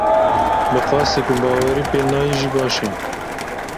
Bi qasî ku bawerî pê nayê jî baş e.